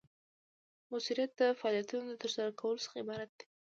مؤثریت د فعالیتونو د ترسره کولو څخه عبارت دی.